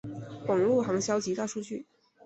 网路行销及大数据